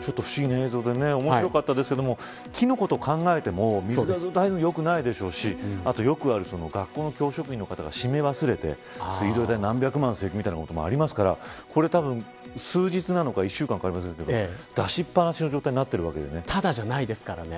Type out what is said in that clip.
ちょっと不思議な映像で面白かったですけれども木のことを考えてもよくないでしょうしよくある学校の教職員の方が閉め忘れて水道代、何百万みたいなこともありますから数日なのか、１週間なのか分かりませんけど出しっぱなしの状態になっているわけですからね。